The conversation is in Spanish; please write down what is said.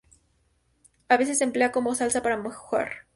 A veces se emplea como salsa para mojar.